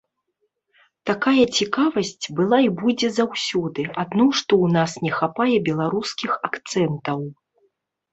Такая цікавасць была і будзе заўсёды, адно, што ў нас не хапае беларускіх акцэнтаў.